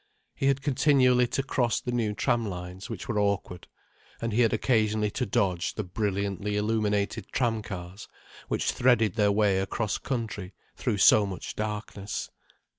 He had continually to cross the new tram lines, which were awkward, and he had occasionally to dodge the brilliantly illuminated tram cars which threaded their way across country through so much darkness.